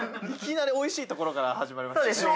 いきなりおいしいところから始まりますよね。